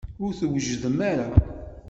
Ur d-twejjdem ara.